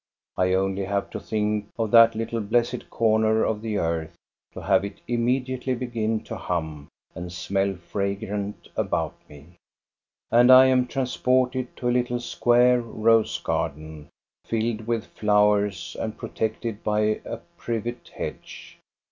I only have to think of that little blessed corner of the earth to have it immediately begin to hum and smell fragrant about me, and I am transported to a little square rose garden, filled with flowers and protected by a privet hedge.